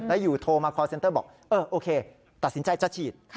แล้วอยู่โทรมาคอร์เซ็นเตอร์บอกเออโอเคตัดสินใจจะฉีด